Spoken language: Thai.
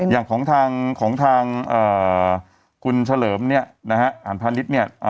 อย่างของทางคุณเฉลิมหันภัณฑ์ฤทธิ์